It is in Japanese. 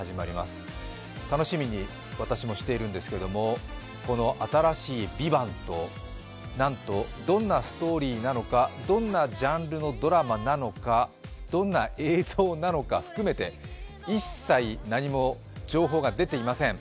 私も楽しみにしているんですけども、この新しい「ＶＩＶＡＮＴ」、なんと、どんなストーリーなのかどんなジャンルのドラマなのか、どんな映像なのか、含めて、一切何も情報が出ていません。